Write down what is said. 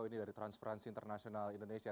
ini dari transparency international indonesia